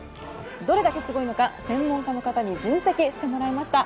どれだけすごいのか専門家に分析してもらいました。